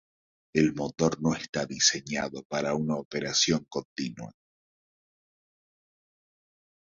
El motor no está diseñado para una operación continua.